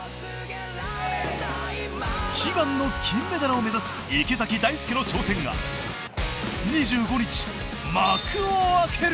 悲願の金メダルを目指す池崎大輔の挑戦が２５日幕を開ける！